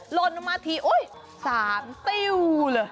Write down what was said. หล่นมาที๓ติ้ว